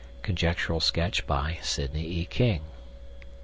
(Conjectural sketch by Sidney E. King.)